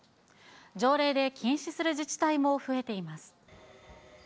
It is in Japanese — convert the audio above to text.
条例で禁止する自治体も増えています。